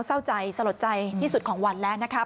เศร้าใจสลดใจที่สุดของวันแล้วนะครับ